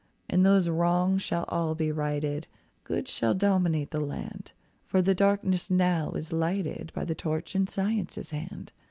And those wrongs shall all be righted, Good shall dominate the land, For the darkness now is lighted By the torch in Science's hand.